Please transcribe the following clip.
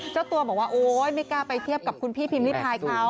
เจ้าตัวบอกว่าโอ๊ยไม่กล้าไปเทียบกับคุณพี่พิมพิพายเขา